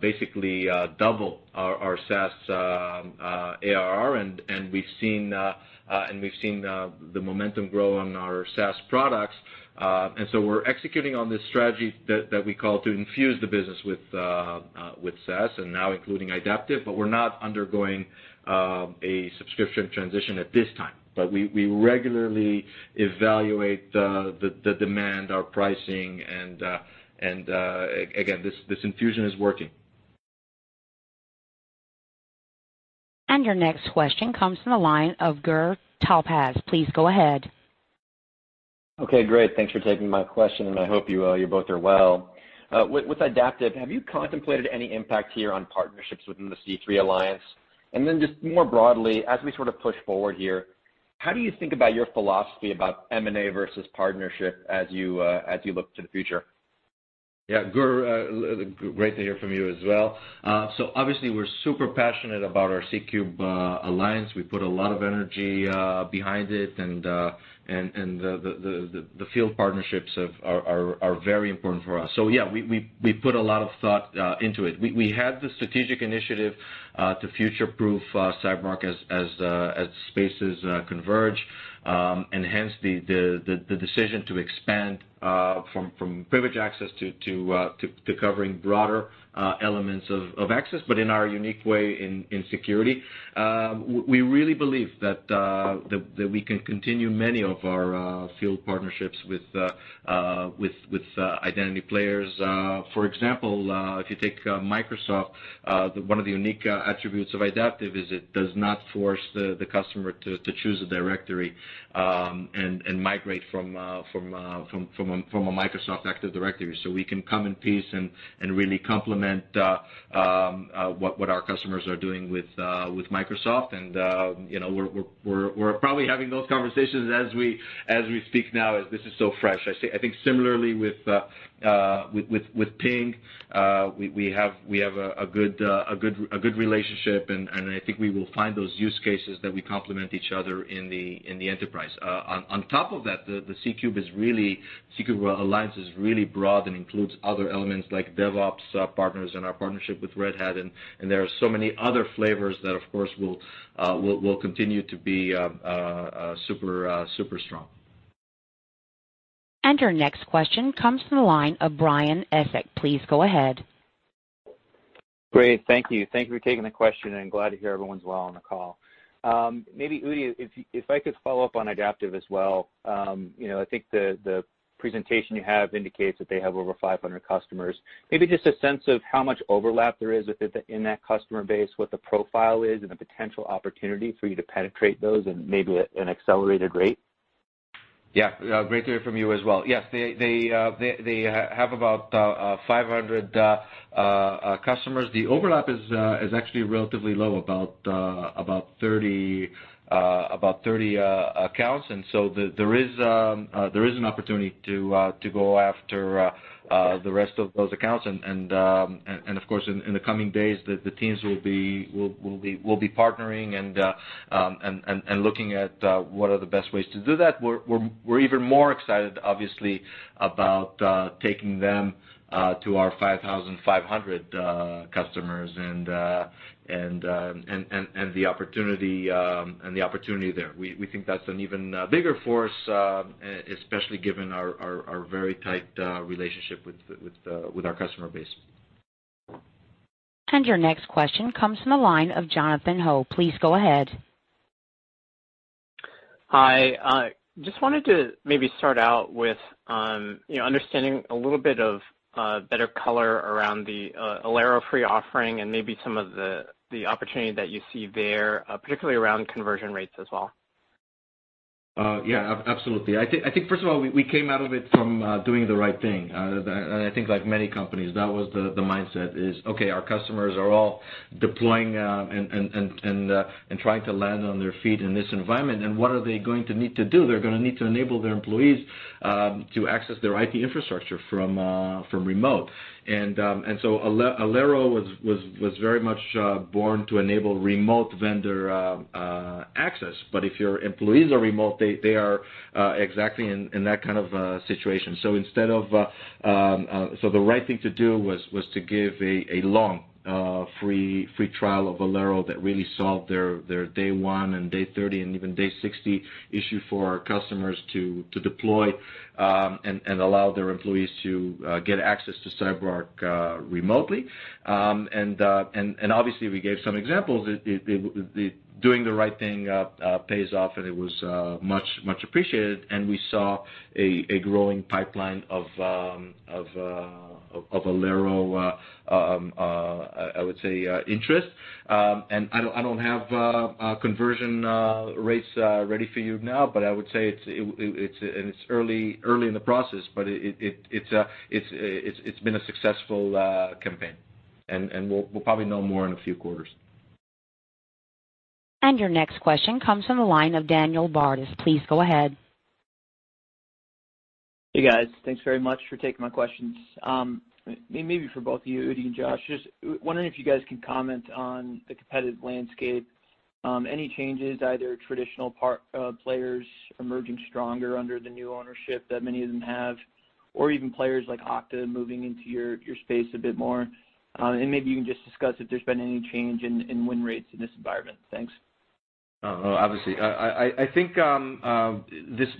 basically double our SaaS ARR, and we've seen the momentum grow on our SaaS products. We're executing on this strategy that we call to infuse the business with SaaS, and now including Idaptive, but we're not undergoing a subscription transition at this time. We regularly evaluate the demand, our pricing, and again, this infusion is working. Your next question comes from the line of Gur Talpaz. Please go ahead. Okay, great. Thanks for taking my question. I hope you both are well. With Idaptive, have you contemplated any impact here on partnerships within the C3 Alliance? Just more broadly, as we sort of push forward here, how do you think about your philosophy about M&A versus partnership as you look to the future? Yeah. Gur, great to hear from you as well. Obviously, we're super passionate about our C3 Alliance. We put a lot of energy behind it, and the field partnerships are very important for us. Yeah, we put a lot of thought into it. We had the strategic initiative to future-proof CyberArk as spaces converge, hence the decision to expand from privilege access to covering broader elements of access, but in our unique way in security. We really believe that we can continue many of our field partnerships with identity players. For example, if you take Microsoft, one of the unique attributes of Idaptive is it does not force the customer to choose a directory and migrate from a Microsoft Active Directory. We can come in peace and really complement what our customers are doing with Microsoft. We're probably having those conversations as we speak now, as this is so fresh. I think similarly with Ping, we have a good relationship, and I think we will find those use cases that we complement each other in the enterprise. On top of that, the C3 Alliance is really broad and includes other elements like DevOps partners and our partnership with Red Hat, and there are so many other flavors that, of course, will continue to be super strong. Your next question comes from the line of Brian Essex. Please go ahead. Great. Thank you. Thank you for taking the question, and glad to hear everyone's well on the call. Maybe Udi, if I could follow up on Idaptive as well. I think the presentation you have indicates that they have over 500 customers. Maybe just a sense of how much overlap there is within that customer base, what the profile is, and the potential opportunity for you to penetrate those at maybe an accelerated rate? Yeah. Great to hear from you as well. Yes, they have about 500 customers. The overlap is actually relatively low, about 30 accounts. There is an opportunity to go after the rest of those accounts. Of course, in the coming days, the teams will be partnering and looking at what are the best ways to do that. We're even more excited, obviously, about taking them to our 5,500 customers and the opportunity there. We think that's an even bigger force, especially given our very tight relationship with our customer base. Your next question comes from the line of Jonathan Ho. Please go ahead. Hi. Just wanted to maybe start out with understanding a little bit of better color around the Alero free offering and maybe some of the opportunity that you see there, particularly around conversion rates as well. Yeah, absolutely. I think first of all, we came out of it from doing the right thing. I think like many companies, that was the mindset is, okay, our customers are all deploying and trying to land on their feet in this environment, what are they going to need to do? They're going to need to enable their employees to access their IT infrastructure from remote. Alero was very much born to enable remote vendor access. If your employees are remote, they are exactly in that kind of a situation. The right thing to do was to give a long free trial of Alero that really solved their day one and day 30, and even day 60 issue for our customers to deploy and allow their employees to get access to CyberArk remotely. Obviously, we gave some examples. Doing the right thing pays off, and it was much appreciated. We saw a growing pipeline of Alero, I would say, interest. I don't have conversion rates ready for you now, but I would say it's early in the process, but it's been a successful campaign. We'll probably know more in a few quarters. Your next question comes from the line of Daniel Bartus. Please go ahead. Hey, guys. Thanks very much for taking my questions. Maybe for both of you, Udi and Josh, just wondering if you guys can comment on the competitive landscape. Any changes, either traditional players emerging stronger under the new ownership that many of them have, or even players like Okta moving into your space a bit more? Maybe you can just discuss if there's been any change in win rates in this environment. Thanks. Obviously. I think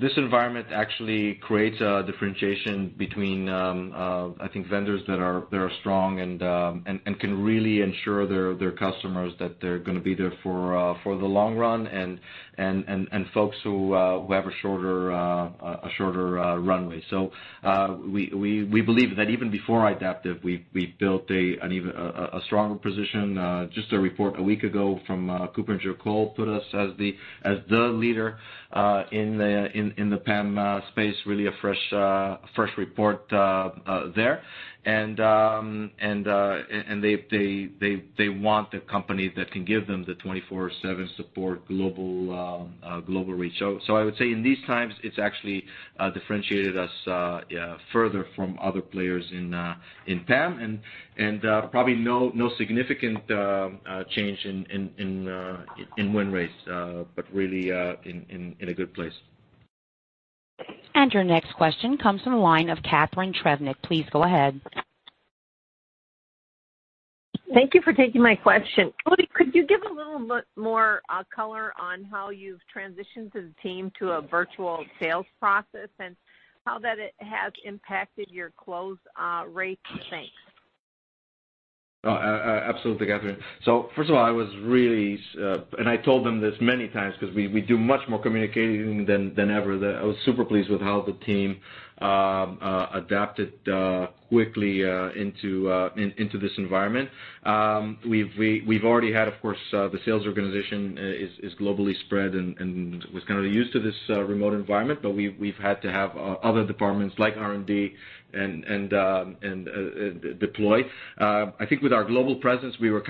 this environment actually creates a differentiation between vendors that are strong and can really ensure their customers that they're going to be there for the long run, and folks who have a shorter runway. We believe that even before Idaptive, we built a stronger position. Just a report a week ago from KuppingerCole put us as the leader in the PAM space, really a fresh report there. They want a company that can give them the 24/7 support global reach. I would say in these times, it's actually differentiated us further from other players in PAM, and probably no significant change in win rates, but really in a good place. Your next question comes from the line of Catharine Trebnick. Please go ahead. Thank you for taking my question. Udi, could you give a little more color on how you've transitioned the team to a virtual sales process and how that has impacted your close rates? Thanks. Oh, absolutely, Catharine. First of all, I was really-- and I told them this many times because we do much more communicating than ever. I was super pleased with how the team adapted quickly into this environment. We've already had, of course, the sales organization is globally spread and was kind of used to this remote environment, but we've had to have other departments like R&D deploy. I think with our global presence, we were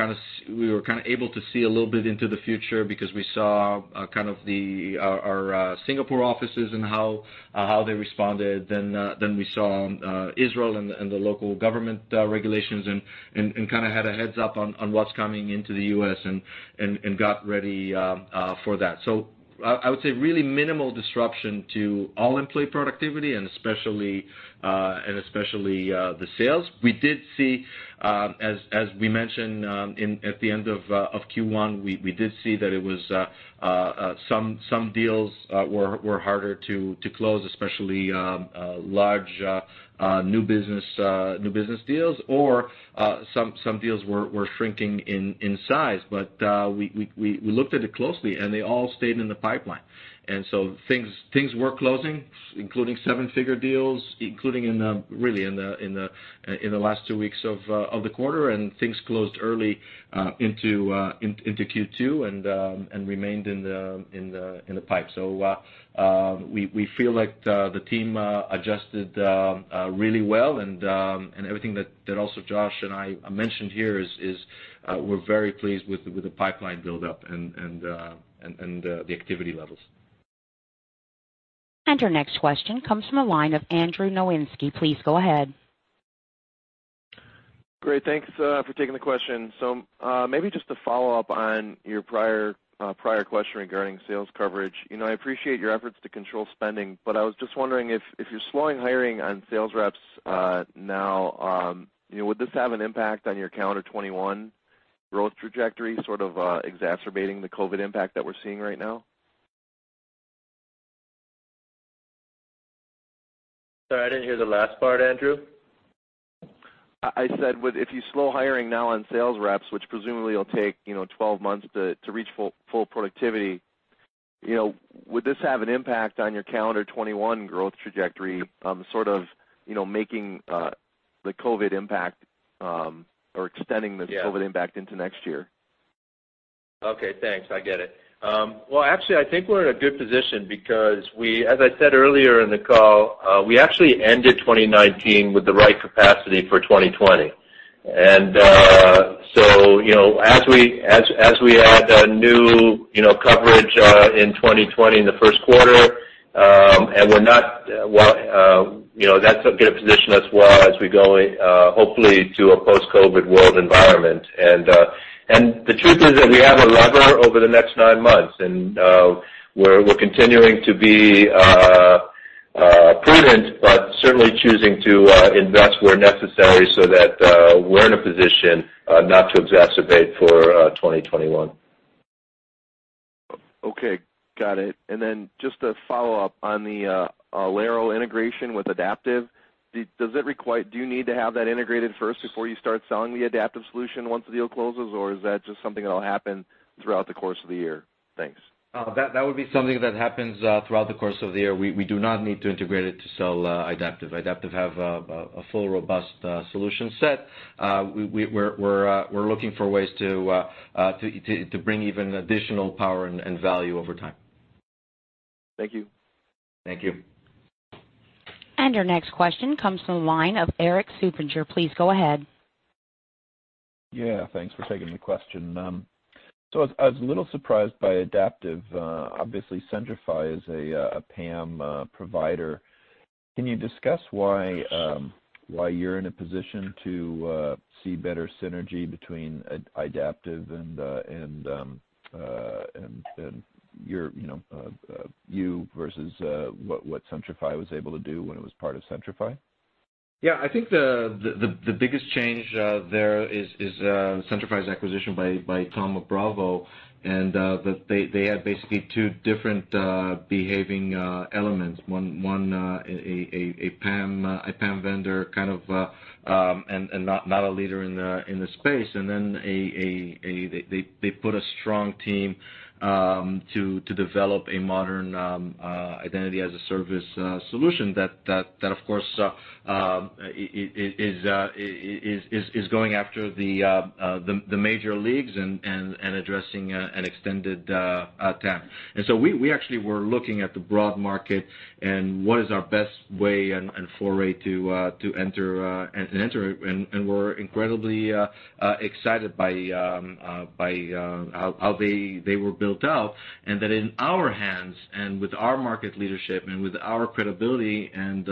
able to see a little bit into the future because we saw our Singapore offices and how they responded. We saw Israel and the local government regulations and kind of had a heads-up on what's coming into the U.S. and got ready for that. I would say really minimal disruption to all employee productivity and especially the sales. We did see, as we mentioned at the end of Q1, we did see that some deals were harder to close, especially large new business deals, or some deals were shrinking in size. We looked at it closely, and they all stayed in the pipeline. Things were closing, including seven-figure deals, including really in the last two weeks of the quarter, and things closed early into Q2 and remained in the pipe. We feel like the team adjusted really well, and everything that also Josh and I mentioned here is we're very pleased with the pipeline buildup and the activity levels. Our next question comes from the line of Andrew Nowinski. Please go ahead. Great. Thanks for taking the question. Maybe just to follow up on your prior question regarding sales coverage. I appreciate your efforts to control spending, but I was just wondering if you're slowing hiring on sales reps now, would this have an impact on your calendar 2021 growth trajectory, sort of exacerbating the COVID impact that we're seeing right now? Sorry, I didn't hear the last part, Andrew. I said if you slow hiring now on sales reps, which presumably will take 12 months to reach full productivity, would this have an impact on your calendar 2021 growth trajectory, sort of making the COVID-19 impact or extending the COVID impact into next year? Okay, thanks. I get it. Well, actually, I think we're in a good position because as I said earlier in the call, we actually ended 2019 with the right capacity for 2020. So as we add new coverage in 2020 in the first quarter, that's going to position us well as we go hopefully to a post-COVID world environment. The truth is that we have a lever over the next nine months, and we're continuing to be prudent, but certainly choosing to invest where necessary so that we're in a position not to exacerbate for 2021. Okay. Got it. Then just to follow up on the Alero integration with Idaptive, do you need to have that integrated first before you start selling the Idaptive solution once the deal closes, or is that just something that'll happen throughout the course of the year? Thanks. That would be something that happens throughout the course of the year. We do not need to integrate it to sell Idaptive. Idaptive have a full, robust solution set. We're looking for ways to bring even additional power and value over time. Thank you. Thank you. Our next question comes from the line of Erik Suppiger. Please go ahead. Yeah, thanks for taking the question. I was a little surprised by Idaptive. Obviously, Centrify is a PAM provider. Can you discuss why you're in a position to see better synergy between Idaptive and you versus what Centrify was able to do when it was part of Centrify? Yeah, I think the biggest change there is Centrify's acquisition by Thoma Bravo. They had basically two different behaving elements, one a PAM vendor kind of, and not a leader in the space, then they put a strong team to develop a modern Identity as a Service Solution that of course is going after the major leagues and addressing an extended attack. We actually were looking at the broad market and what is our best way and foray to enter it, and we're incredibly excited by how they were built out. That in our hands, and with our market leadership, and with our credibility and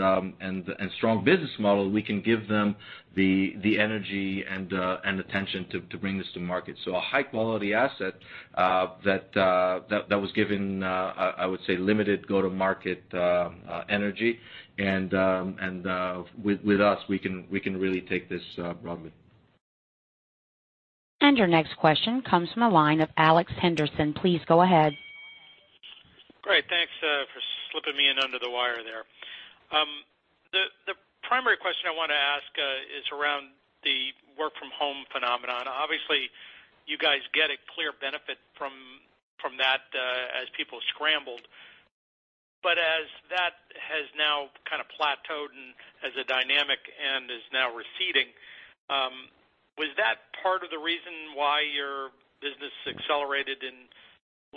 strong business model, we can give them the energy and attention to bring this to market. A high-quality asset that was given, I would say limited go-to-market energy. With us, we can really take this broadly. Your next question comes from the line of Alex Henderson. Please go ahead. Great, thanks for slipping me in under the wire there. The primary question I want to ask is around the work from home phenomenon. Obviously, you guys get a clear benefit from that as people scrambled. As that has now kind of plateaued and as a dynamic and is now receding, was that part of the reason why your business accelerated in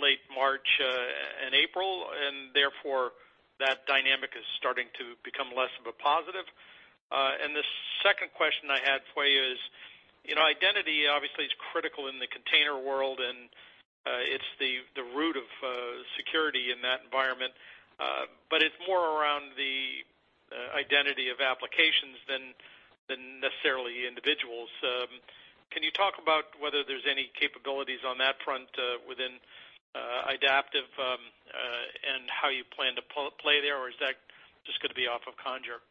late March and April, and therefore, that dynamic is starting to become less of a positive? The second question I had for you is, identity obviously is critical in the container world, and it's the root of security in that environment. It's more around the identity of applications than necessarily individuals. Can you talk about whether there's any capabilities on that front within Idaptive, and how you plan to play there, or is that just going to be off of Conjur?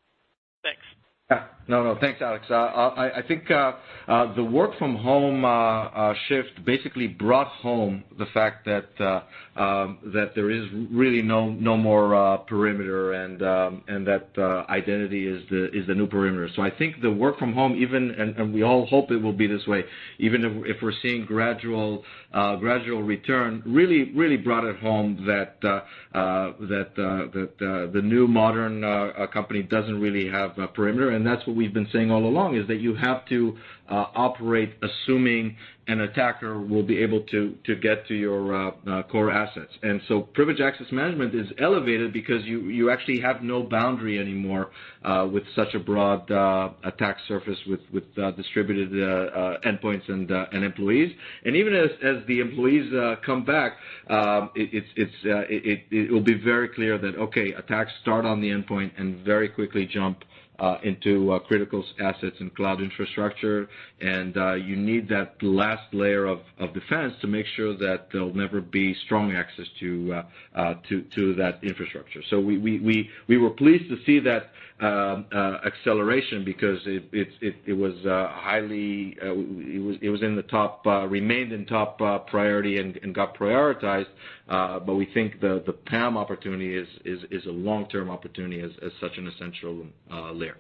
Thanks. Yeah. No, thanks, Alex. I think the work from home shift basically brought home the fact that there is really no more perimeter and that identity is the new perimeter. I think the work from home even, and we all hope it will be this way, even if we're seeing gradual return, really brought it home that the new modern company doesn't really have a perimeter. That's what we've been saying all along, is that you have to operate assuming an attacker will be able to get to your core assets. Privileged access management is elevated because you actually have no boundary anymore, with such a broad attack surface with distributed endpoints and employees. Even as the employees come back, it will be very clear that, okay, attacks start on the endpoint and very quickly jump into critical assets and cloud infrastructure. You need that last layer of defense to make sure that there'll never be strong access to that infrastructure. We were pleased to see that acceleration because it remained in top priority and got prioritized. We think the PAM opportunity is a long-term opportunity as such an essential layer.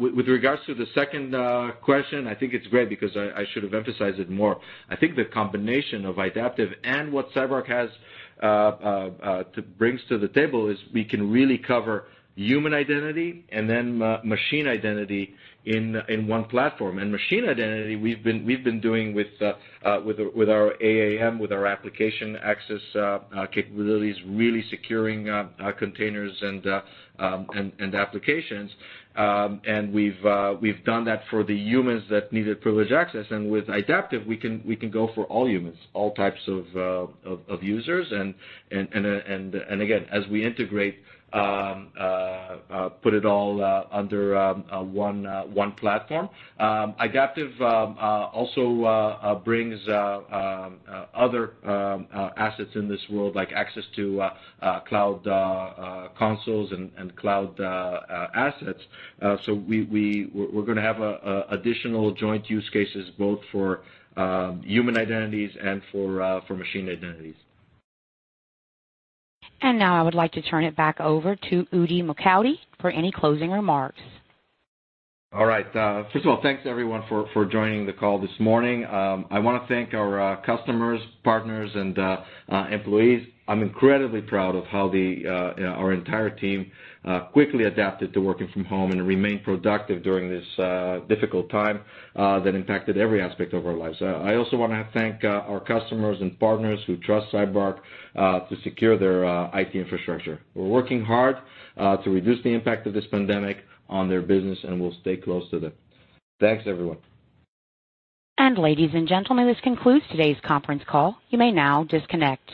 With regards to the second question, I think it's great because I should have emphasized it more. I think the combination of Idaptive and what CyberArk brings to the table is we can really cover human identity and then machine identity in one platform. Machine identity, we've been doing with our AAM, with our application access capabilities, really securing containers and applications. We've done that for the humans that needed privileged access. With Idaptive, we can go for all humans, all types of users, again, as we integrate, put it all under one platform. Idaptive also brings other assets in this world, like access to cloud consoles and cloud assets. We're going to have additional joint use cases both for human identities and for machine identities. Now I would like to turn it back over to Udi Mokady for any closing remarks. All right. First of all, thanks everyone for joining the call this morning. I want to thank our customers, partners, and employees. I'm incredibly proud of how our entire team quickly adapted to working from home and remained productive during this difficult time that impacted every aspect of our lives. I also want to thank our customers and partners who trust CyberArk to secure their IT infrastructure. We're working hard to reduce the impact of this pandemic on their business, and we'll stay close to them. Thanks, everyone. Ladies and gentlemen, this concludes today's conference call. You may now disconnect.